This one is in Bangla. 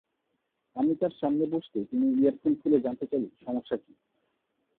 আমি তাঁর সামনে বসতেই তিনি ইয়ারফোন খুলে জানতে চাইলেন, সমস্যা কী?